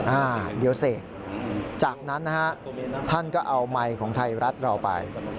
อ่าเดี๋ยวเสกจากนั้นนะฮะท่านก็เอาไมค์ของไทยรัฐเราไป